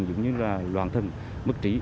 giống như là loàn thân mất trí